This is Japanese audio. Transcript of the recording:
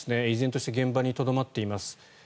依然として現場にとどまっています。